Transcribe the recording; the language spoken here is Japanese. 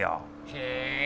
へえ。